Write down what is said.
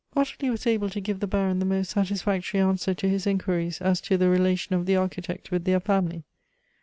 Ottilie was able to give the Baron the most satisfactory answer to his inquiries as to the relation of the Architect with their family.